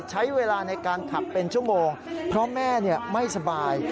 ใช้เวลาในการขับเป็นชั่วโมงเพราะแม่ไม่สบาย